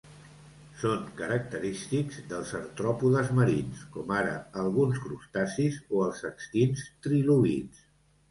Són característics dels artròpodes marins, com ara alguns crustacis o els extints trilobits.